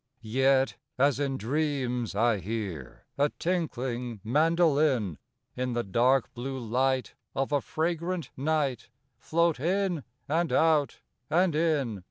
Yet, as in dreams, I hear A tinkling mandolin In the dark blue light of a fragrant night Float in and out and in.